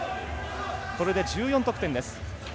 これで１４得点です。